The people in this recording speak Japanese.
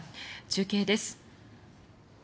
中継です。